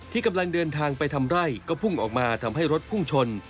กำลังเดินทางไปทำไร่ก็พุ่งออกมาทำให้รถพุ่งชน